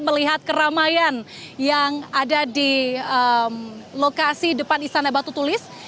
melihat keramaian yang ada di lokasi depan istana batu tulis